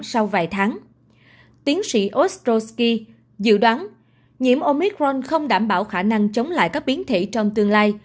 sau vài tháng tiến sĩ oshosky dự đoán nhiễm omicron không đảm bảo khả năng chống lại các biến thể trong tương lai